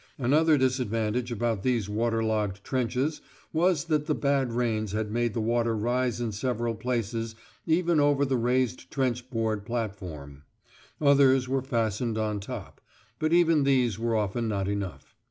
Another disadvantage about these water logged trenches was that the bad rains had made the water rise in several places even over the raised trench board platform; others were fastened on top; but even these were often not enough.